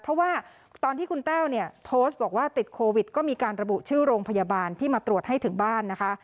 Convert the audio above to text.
เพราะว่าตอนที่คุณแต้วเนี่ยโพสต์บอกว่าติดโควิดก็มีการระบุชื่อโรงพยาบาลที่มาตรวจให้ถึงบ้านนะคะ